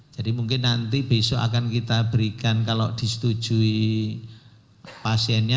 jadi mungkin nanti besok akan kita berikan kalau disetujui pasiennya